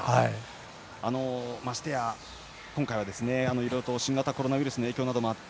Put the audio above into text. ましてや今回はいろいろ新型コロナウイルスの影響などもあって